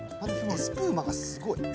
エスプーマがすごい。